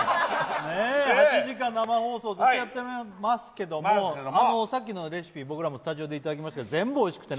８時間生放送ずっとやってますけれども、さっきのレシピ、僕らもスタジオでいただきましたけど全部おいしくてね。